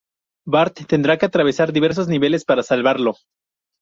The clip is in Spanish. Bart tendrá que atravesar diversos niveles para salvarlo.